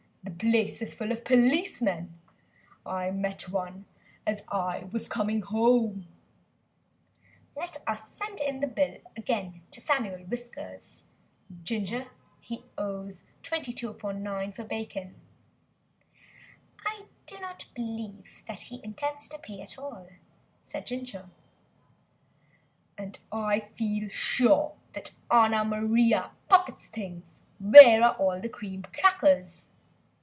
"The place is full of policemen. I met one as I was coming home." "Let us send in the bill again to Samuel Whiskers, Ginger, he owes 22/9 for bacon." "I do not believe that he intends to pay at all," replied Ginger. "And I feel sure that Anna Maria pockets things Where are all the cream crackers?"